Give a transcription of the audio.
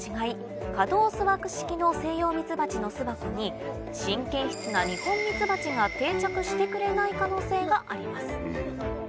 可動巣枠式のセイヨウミツバチの巣箱に神経質なニホンミツバチが定着してくれない可能性があります